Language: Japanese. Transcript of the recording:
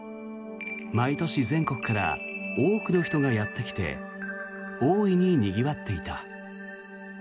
毎年、全国から多くの人がやってきて大いににぎわっていた。